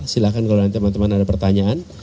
silahkan kalau nanti teman teman ada pertanyaan